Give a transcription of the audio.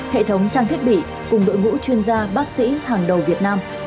hệ thống trang thiết bị cùng đội ngũ chuyên gia bác sĩ hàng đầu việt nam